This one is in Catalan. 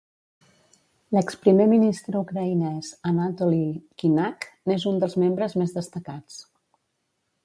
L'exprimer ministre ucraïnès Anatoliy Kinakh n'és un dels membres més destacats.